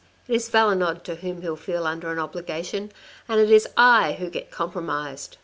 It is Valenod to whom he'll feel under an obligation, and it is I who get compromised.